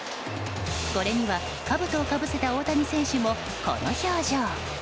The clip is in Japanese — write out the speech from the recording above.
これにはかぶとをかぶせた大谷選手もこの表情。